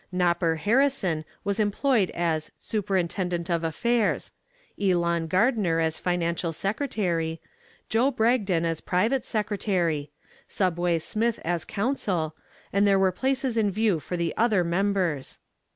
"Nopper" Harrison was employed as "superintendent of affairs"; Elon Gardner as financial secretary; Joe Bragdon as private secretary; "Subway" Smith as counsel, and there were places in view for the other members.